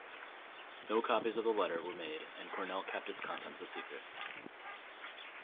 No copies of the letter were made, and Cornell kept its contents a secret.